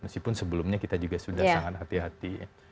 meskipun sebelumnya kita juga sudah sangat hati hati ya